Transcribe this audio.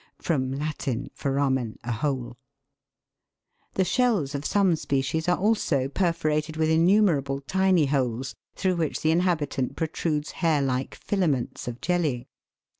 * The shells of some species are also perforated with innumerable tiny holes through which the inhabitant pro trudes hair like filaments of jelly.